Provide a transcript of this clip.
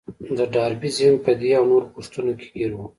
د ډاربي ذهن په دې او نورو پوښتنو کې ګير و.